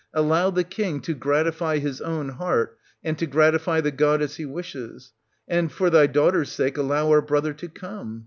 Allow the king to gratify his own heart, and to gratify the god as he wishes ; and, for thy daughter's sake, allow our brother to come.